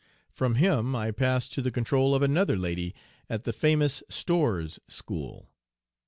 From him I passed to the control of another lady at the famous "Storr's School."